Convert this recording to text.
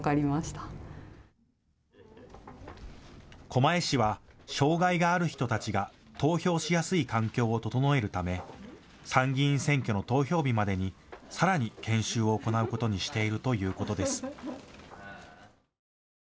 狛江市は障害がある人たちが投票しやすい環境を整えるため参議院選挙の投票日までにさらに研修を行うことにしているということです。